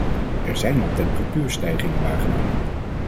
Er zijn al temperatuurstijgingen waargenomen.